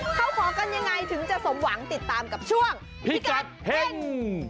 เขาขอกันยังไงถึงจะสมหวังติดตามกับช่วงพิกัดเฮ่ง